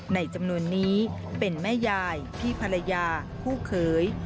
ในจำนวนนี้เป็นแม่ยายพี่ภรรยาคู่เขย